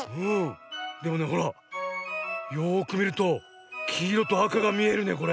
でもねほらよくみるときいろとあかがみえるねこれ。